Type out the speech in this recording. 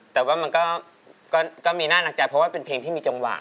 แต่ว่ามันก็มีน่าหนักใจเพราะว่าเป็นเพลงที่มีจังหวะ